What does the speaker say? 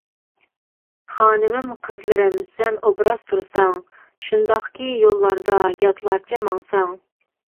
خانىمىم، قىزلىرىم سەن ئوبراز تۇرساڭ، شۇنداقكى يوللاردا ياتلارچە ماڭساڭ.